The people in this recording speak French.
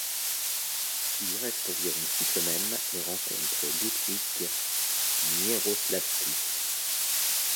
Il y reste environ six semaines et rencontre Ludwik Mierosławski.